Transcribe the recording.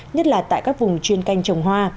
nhất là tại các vùng chuyên canh trồng hoa